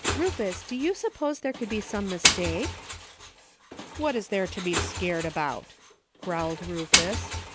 Rufus, do you suppose there could be some mistake ?" "What is there to be scared about?" growled Rufus.